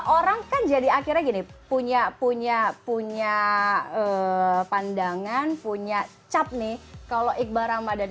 orang kan jadi akhirnya gini punya punya punya punya pandangan punya cap nih kalau iqbal ramadan